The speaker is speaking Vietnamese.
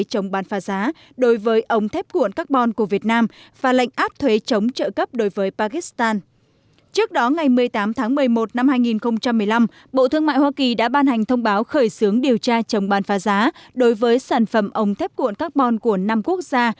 trước đó ngày một mươi tám tháng một mươi một năm hai nghìn một mươi năm bộ thương mại hoa kỳ đã ban hành thông báo khởi xướng điều tra chống bán phá giá đối với sản phẩm ống thép cuộn carbon của năm quốc gia